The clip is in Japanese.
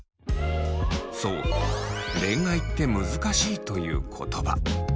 そう「恋愛って難しい」という言葉。